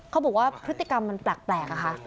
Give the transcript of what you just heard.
เขาบอกว่าพฤติกรรมมันแปลกอะค่ะ